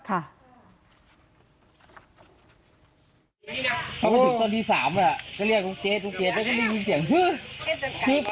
พอมาถึงต้นที่๓ก็เรียกลุงเจ๊ลุงเกดแล้วก็ได้ยินเสียงฮือ